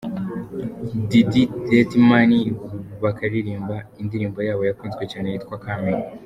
Diddy-Dirty Money bakaririmba indirimbo yabo yakunzwe cyane yitwa "Coming.